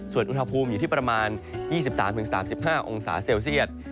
ส่วนอุณหภูมิอยู่ที่ประมาณ๒๓๓๕องศาเซลเซียต